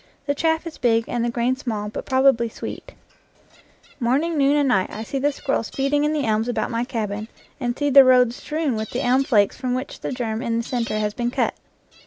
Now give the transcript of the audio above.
The chaff is big and the grain small, but probably sweet. 92 IN FIELD AND WOOD Morning, noon, and night I see the squirrels feeding in the elms about my cabin, and see the road strewn with the elm flakes from which the germ in the centre has been cut.